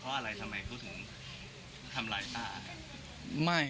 เพราะอะไรทำไมเขาถึงทำไรป้า